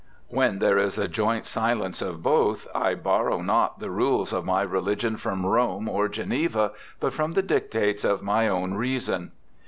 When there is a joint silence of both, I borrow not the rules of my religion from Rome or Geneva, but from the dictates of my own reason.'